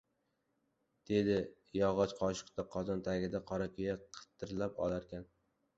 dedi yog‘oeh qoshiqda qozon tagidan qorakuya qirtishlab olarkan.